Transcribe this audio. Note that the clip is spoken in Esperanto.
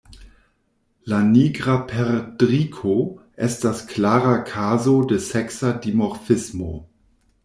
La Nigra perdriko estas klara kazo de seksa dimorfismo.